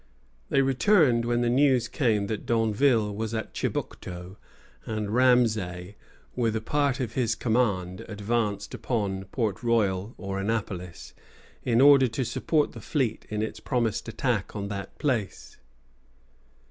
They returned when the news came that D'Anville was at Chibucto, and Ramesay, with a part of his command, advanced upon Port Royal, or Annapolis, in order to support the fleet in its promised attack on that place.